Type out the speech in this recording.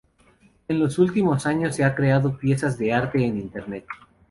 En los últimos años ha creado piezas de arte en Internet.